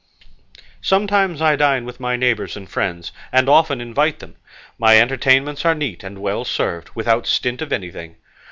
Sometimes I dine with my neighbours and friends, and often invite them; my entertainments are neat and well served without stint of anything.